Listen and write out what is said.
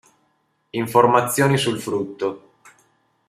Informazioni sul frutto